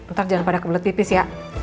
ntar jangan pada kebelet pipis ya